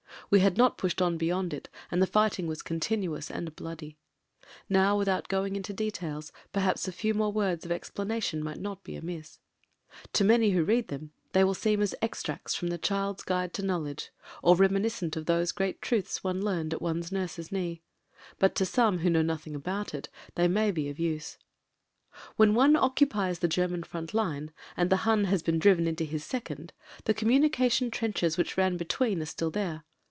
We had not pushed on be yond it, and the fighting was continuous and bloody. Now without going into details, perhaps a few words of explanation might not be amiss. To many who may read them, they will seem as extracts from the ''Child's Guide to Knowledge," or reminiscent of those great truths one learned at one's nurse*s knee. But to some, who know nothing about it, they may be of use. When one occupies the German front line and the Hun has been driven into his second, the communica tion trenches which ran between are still there.